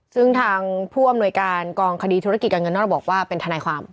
ซึ่งทางผู้อำนวยการกองคดีธุรกิจการเงินนอกระบบบอกว่าเป็นทนายความ